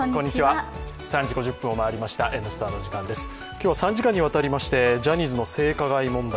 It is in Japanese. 今日は３時間にわたりましてジャニーズの性加害問題